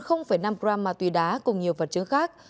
hơn năm g ma túy đá cùng nhiều vật chứng khác